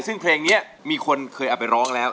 ซึ่งเพลงนี้มีคนเคยเอาไปร้องแล้ว